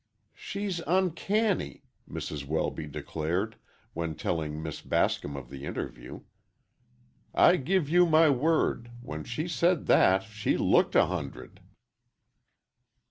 "She's uncanny," Mrs. Welby declared, when telling Miss Bascom of the interview. "I give you my word, when she said that, she looked a hundred!"